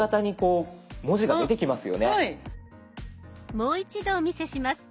もう一度お見せします。